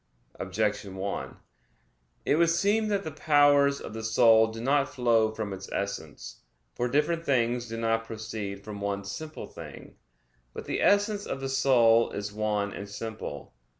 Objection 1: It would seem that the powers of the soul do not flow from its essence. For different things do not proceed from one simple thing. But the essence of the soul is one and simple.